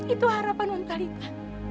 itu harapan nontalita